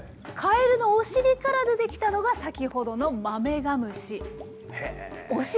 カエルのお尻から出てきたのが先ほどのマメガムシ。